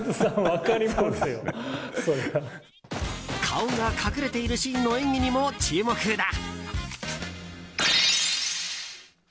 顔が隠れているシーンの演技にも注目だ。